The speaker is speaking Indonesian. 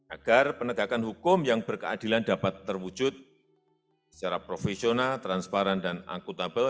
agar penegakan hukum yang berkeadilan dapat terwujud secara profesional transparan dan akutabel